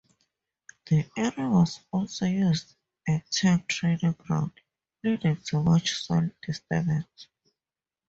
The area was also used a tank training ground, leading to much soil disturbance.